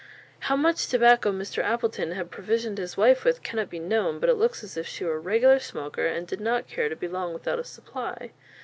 How much tobacco Mr. Appleton had provisioned his wife with cannot be known, but it looks as if she were a regular smoker and did not care to be long without a supply.